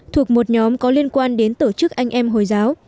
thuộc một nhóm có liên quan đến tổ chức anh em hồi giáo